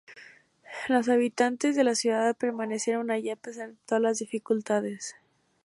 Los habitantes de la ciudad permanecieron allí a pesar de todas las dificultades.